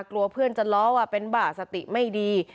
กลัวเพื่อนจะล้อว่าเป็นบ่าสติไม่ดี